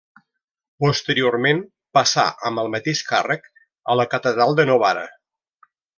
Posteriorment passà, amb el mateix càrrec, a la catedral de Novara.